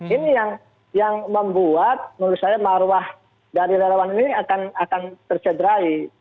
ini yang membuat menurut saya maruah dari lawan ini akan tersederai